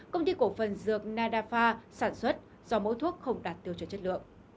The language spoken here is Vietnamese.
công ty cổ phần dược nadafa sản xuất do mẫu thuốc không đạt tiêu chuẩn chất lượng